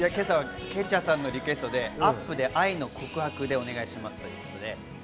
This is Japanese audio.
今朝はＣｈａｃｈａさんのリクエストで、アップで愛の告白でお願いしますということです。